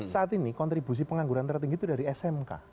saat ini kontribusi pengangguran tertinggi itu dari smk